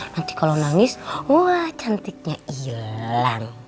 nanti kalau nangis wah cantiknya jalan